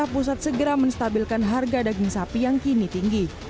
pusat segera menstabilkan harga daging sapi yang kini tinggi